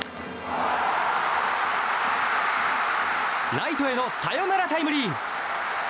ライトへのサヨナラタイムリー。